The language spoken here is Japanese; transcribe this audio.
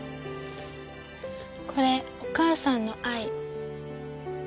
これお母さんの愛。